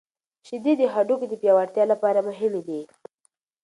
شیدې د هډوکو د پیاوړتیا لپاره مهمې دي.